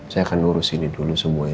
saya akan urusin ini dulu semuanya